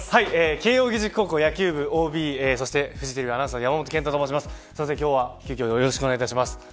慶応義塾高校野球部ＯＢそしてフジテレビアナウンサーの山本賢太と申します。